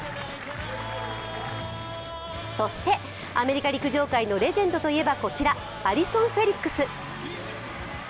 そしてアメリカ陸上界のレジェンドといえばこちらアリソン・フェリックス。